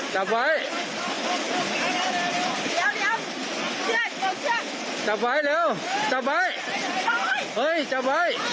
อ่อออออสวัสดีครับ